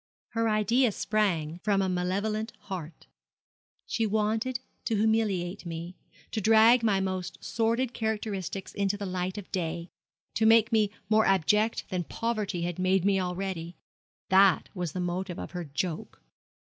Her idea sprang from a malevolent heart. She wanted to humiliate me to drag my most sordid characteristics into the light of day to make me more abject than poverty had made me already. That was the motive of her joke.'